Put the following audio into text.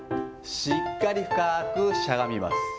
しっかり深くしゃがみます。